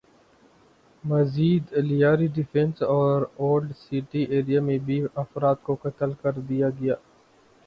مزید لیاری ڈیفنس اور Old City area میں بھی افراد کو قتل کر دیا گیا